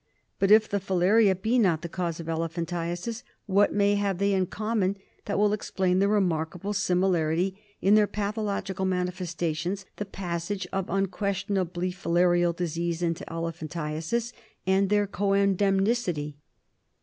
But if the filaria be not the cause of elephantiasis, what have they in common that will explain the remarkable similarity in their pathological manifestations, the passage of unques tionably filarial disease into elephantiasis, and their coendemicity